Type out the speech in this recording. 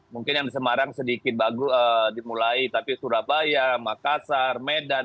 mungkin yang di semarang sedikit dimulai tapi surabaya makassar medan